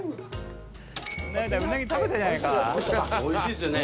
「おいしいっすね」